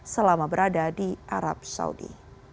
selama berada di arab saudi